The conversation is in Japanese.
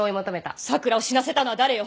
咲良を死なせたのは誰よ？